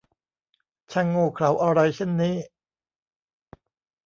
ช่างโง่เขลาอะไรเช่นนี้ !